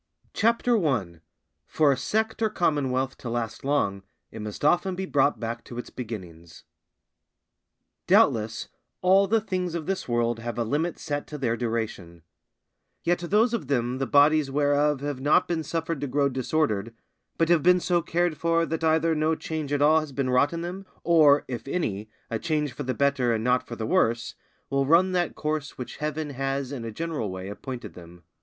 CHAPTER I.—For a Sect or Commonwealth to last long, it must often be brought back to its Beginnings. Doubtless, all the things of this world have a limit set to their duration; yet those of them the bodies whereof have not been suffered to grow disordered, but have been so cared for that either no change at all has been wrought in them, or, if any, a change for the better and not for the worse, will run that course which Heaven has in a general way appointed them.